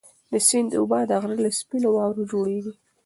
د سیند اوبه د غره له سپینو واورو جوړېږي.